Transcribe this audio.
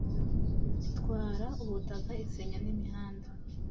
itwara ubutaka, isenya nimihanda